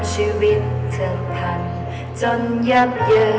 ขอบคุณทุกเรื่องราว